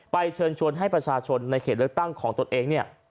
เชิญชวนให้ประชาชนในเขตเลือกตั้งของตนเองเนี่ย